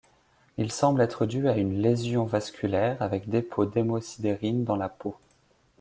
Il semble être dû à une lésion vasculaire, avec dépôts d'hémosidérine dans la peau.